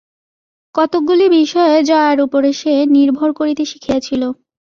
কতকগুলি বিষয়ে জয়ার উপরে সে নির্ভর করিতে শিখিয়াছিল।